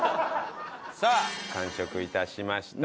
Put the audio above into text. さあ完食致しました。